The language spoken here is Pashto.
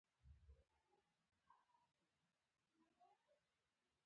د بې خوبۍ لپاره د کوم شي تخم وکاروم؟